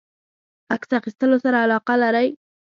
عکس اخیستلو سره علاقه لری؟